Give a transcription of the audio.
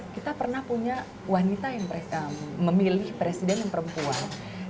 kita pernah punya wanita yang mereka memilih presiden yang perempuan